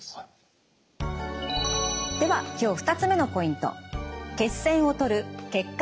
では今日２つ目のポイント。